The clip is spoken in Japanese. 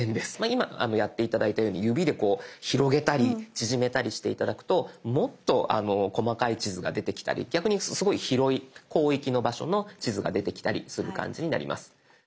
今やって頂いたように指でこう広げたり縮めたりして頂くともっと細かい地図が出てきたり逆にすごい広い広域の場所の地図が出てきたりする感じになります。